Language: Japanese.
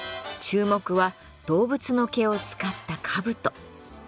注目は動物の毛を使った兜。